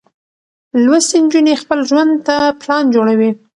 لوستې نجونې خپل ژوند ته پلان جوړوي.